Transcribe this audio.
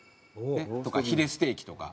とかヒレステーキとか。